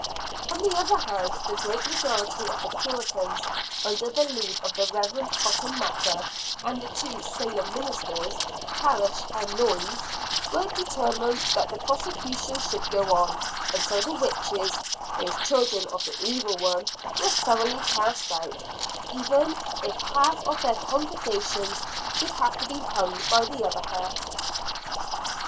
On the other hand, the great majority of the Puritans, under the lead of the Reverend Cotton Mather, and the two Salem ministers, Parris and Noyes were determined that the prosecution should go on, until the witches, those children of the Evil One, were thoroughly cast out; even if half of their congregations should have to be hung by the other half.